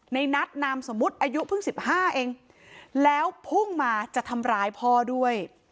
ในนัดนามสมมุติอายุเพิ่ง๑๕เองแล้วพุ่งมาจะทำร้ายพ่อด้วย